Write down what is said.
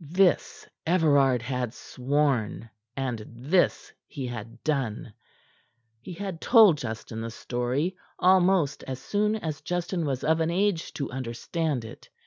This Everard had sworn, and this he had done. He had told Justin the story almost as soon as Justin was of an age to understand it.